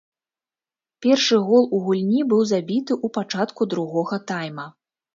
Першы гол у гульні быў забіты ў пачатку другога тайма.